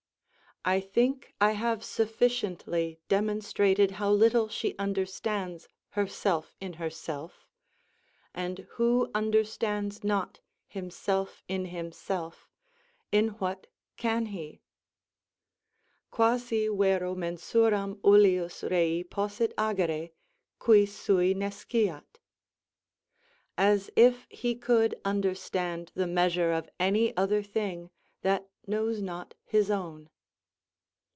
I think I have sufficiently demonstrated how little she understands herself in herself; and who understands not himself in himself, in what can he? Quasi vero mensuram ullius rei possit agere, qui sui nesciat. "As if he could understand the measure of any other thing, that knows not his own."